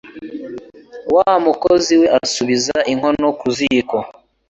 Wa mukozi we asubiza inkono ku ziko.